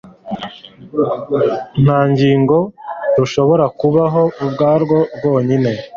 Nta ngingo rushobora kubaho ubwarwo rwonyine.